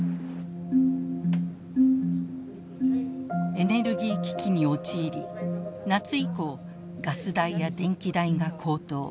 エネルギー危機に陥り夏以降ガス代や電気代が高騰。